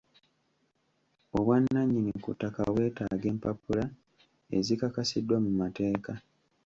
Obwannannyini ku ttaka bwetaaga empapula ezikakasiddwa mu mateeka.